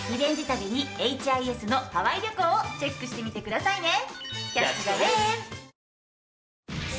旅にＨＩＳのハワイ旅行をチェックしてみてくださいね。